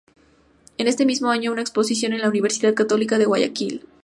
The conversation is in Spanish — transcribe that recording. En este mismo año una exposición en la Universidad Católica de Guayaquil.